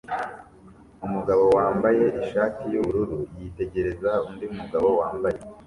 Umugabo wambaye ishati yubururu yitegereza undi mugabo wambaye